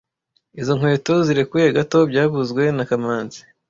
Izo nkweto zirekuye gato byavuzwe na kamanzi